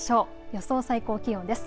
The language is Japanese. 予想最高気温です。